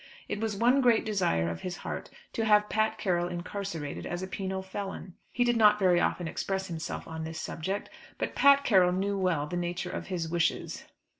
It was one great desire of his heart to have Pat Carroll incarcerated as a penal felon. He did not very often express himself on this subject, but Pat Carroll knew well the nature of his wishes.